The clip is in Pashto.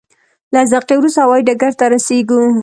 لس دقیقې وروسته هوایي ډګر ته رسېږو.